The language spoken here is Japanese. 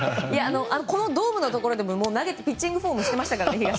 ドームのところでピッチングフォームをしてましたからね。